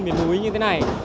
miền núi như thế này